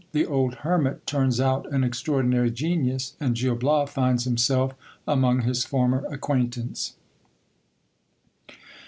— The old hermit turns out an extraordinary genius, and Gil Bias finds himself among his former acquaintance.